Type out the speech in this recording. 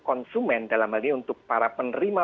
konsumen dalam hal ini untuk para penerima